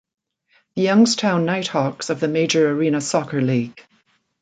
The Youngstown Nighthawks of the Major Arena Soccer League.